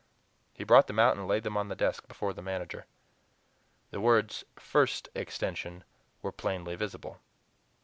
He brought them out and laid them on the desk before the manager. The words "First Extension" were plainly visible.